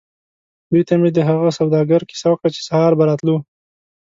دوی ته مې د هغه سوداګر کیسه وکړه چې سهار به راتلو.